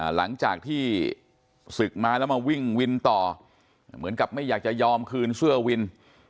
หลังจากที่ศึกมาแล้วมาวิ่งวินต่อเหมือนกับไม่อยากจะยอมคืนเสื้อวิน